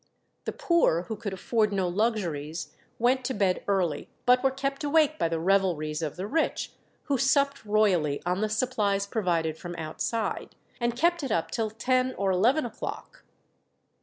The poor, who could afford no luxuries, went to bed early, but were kept awake by the revelries of the rich, who supped royally on the supplies provided from outside, and kept it up till ten or eleven o'clock.